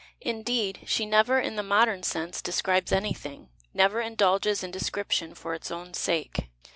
Indeed, she never, in the modern sense, describes any tiling, never indulges in descrip tion lor its own sake.